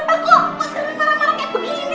biasanya juga gak tahan takut